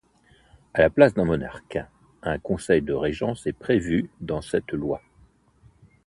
À la place d'un monarque, un conseil de régence est prévu dans cette loi.